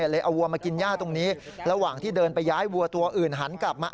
เลยเอาวัวมากินย่าตรงนี้ระหว่างที่เดินไปย้ายวัวตัวอื่นหันกลับมา